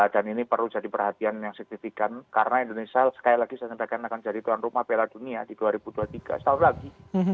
dan ini perlu jadi perhatian yang signifikan karena indonesia sekali lagi saya sampaikan akan jadi tuan rumah pela dunia di dua ribu dua puluh tiga setahun lagi